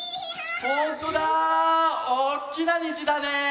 ほんとだおっきなにじだね。